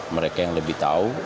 mereka yang lebih tahu